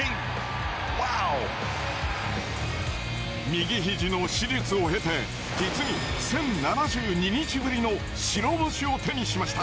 右ひじの手術を経て実に１，０７２日ぶりの白星を手にしました。